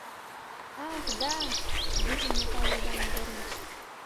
— Ах, да! — вуйжым нӧлтале Иван Егорович.